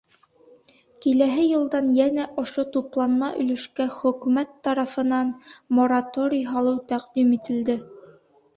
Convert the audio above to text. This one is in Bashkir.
Киләһе йылдан йәнә ошо тупланма өлөшкә Хөкүмәт тарафынан мораторий һалыу тәҡдим ителде.